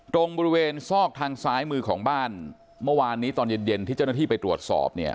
ตรงบริเวณซอกทางซ้ายมือของบ้านเมื่อวานนี้ตอนเย็นเย็นที่เจ้าหน้าที่ไปตรวจสอบเนี่ย